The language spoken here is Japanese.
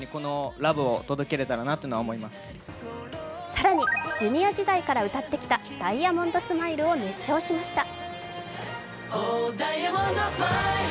更にＪｒ．時代から歌ってきた「ダイヤモンドスマイル」を熱唱しました。